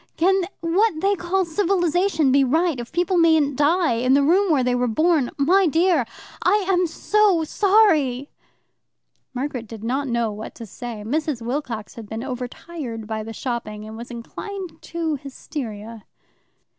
Can what they call civilization be right, if people mayn't die in the room where they were born? My dear, I am so sorry " Margaret did not know what to say. Mrs. Wilcox had been overtired by the shopping, and was inclined to hysteria.